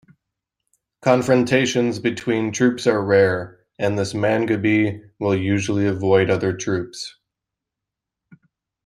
Confrontations between troops are rare, as this mangabey will usually avoid other troops.